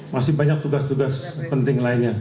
masih banyak tugas tugas penting lainnya